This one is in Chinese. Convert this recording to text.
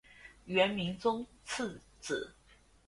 元明宗次子。